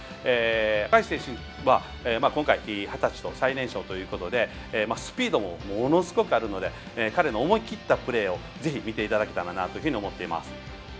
赤石選手は今回、二十歳の最年少ということでスピードもものすごくあるので彼の思い切ったプレーをぜひ見ていただけたらなと思っています。